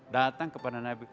datang kepada nabi